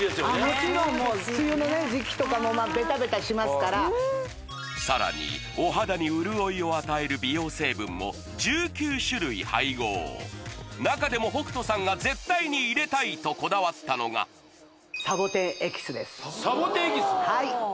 もちろんもう梅雨のね時期とかもベタベタしますからさらにお肌に潤いを与える美容成分も１９種類配合中でも北斗さんが絶対に入れたいとこだわったのがサボテンエキス？